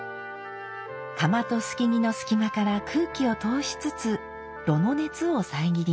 釜と透木の隙間から空気を通しつつ炉の熱を遮ります。